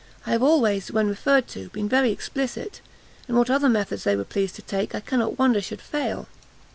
I have always, when referred to, been very explicit; and what other methods they were pleased to take, I cannot wonder should fail."